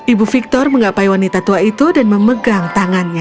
ibu victor menggapai wanita tua itu dan memegang tangannya